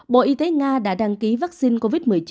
bộ y tế nga đã đăng ký vaccine covid một mươi chín